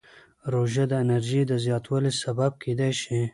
روژه د انرژۍ د زیاتوالي سبب کېدای شي.